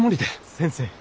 先生！